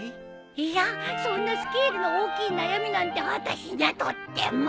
いやそんなスケールの大きい悩みなんてあたしにゃとっても。